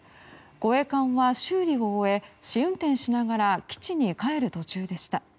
護衛艦は修理を終え試運転しながら基地に帰る途中でした。